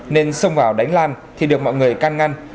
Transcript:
nên xông vào đánh lan thì được mọi người can ngăn